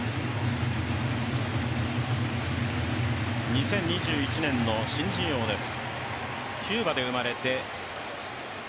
２０２１年の新人王です。